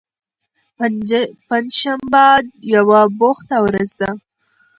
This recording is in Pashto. پنجشنبه یوه بوخته ورځ ده.